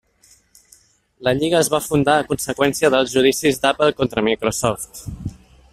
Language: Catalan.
La lliga es va fundar a conseqüència dels judicis d'Apple contra Microsoft.